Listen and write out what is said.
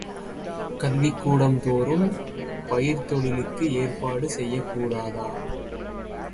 கல்விக்கூடம்தோறும் பயிர்த்தொழிலுக்கு ஏற்பாடு செய்யக்கூடாதா?